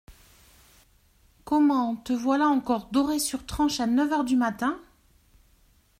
Comment, te voilà encore doré sur tranches à neuf heures du matin ?